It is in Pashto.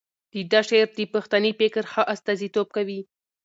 د ده شعر د پښتني فکر ښه استازیتوب کوي.